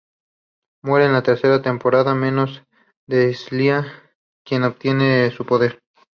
Muere en la tercera temporada a manos de Sylar, quien obtiene su poder.